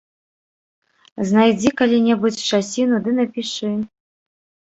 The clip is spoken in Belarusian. Знайдзі калі-небудзь часіну ды напішы.